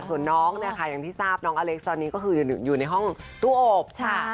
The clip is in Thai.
ส่วนน้องเฮงที่ทราบน้องอัเล็กซ์อยู่ในห้องตู้อบ